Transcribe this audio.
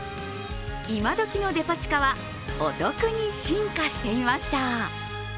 今どきのデパ地下はお得に進化していました。